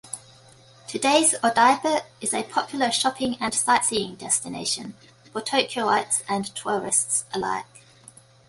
Today's Odaiba is a popular shopping and sightseeing destination for Tokyoites and tourists alike.